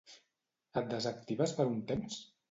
Et desactives per un temps?